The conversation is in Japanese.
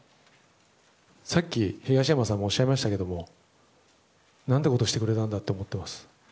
さっき東山さんもおっしゃいましたけども何てことしてくれたんだって思っています。